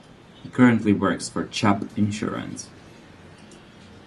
He currently works for Chubb Insurance.